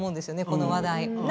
この話題は。